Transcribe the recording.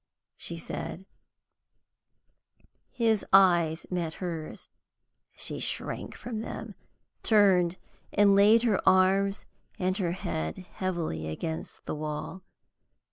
she said. His eyes met hers she shrank from them turned and laid her arms and her head heavily against the wall.